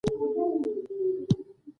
هلته مې ایښې یوه لجرمه د کتاب لاندې